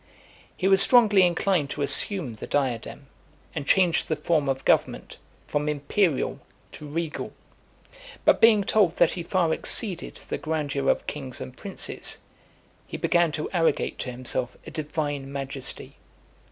He was strongly inclined to assume the diadem, and change the form of government, from imperial to regal; but being told that he far exceeded the grandeur of kings and princes, he began to arrogate to himself a divine majesty.